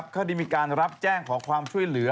เขาได้มีการรับแจ้งขอความช่วยเหลือ